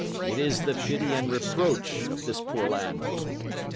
It is the pity and reproach of this poor land."